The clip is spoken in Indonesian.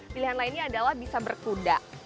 pilihan lainnya adalah bisa berkuda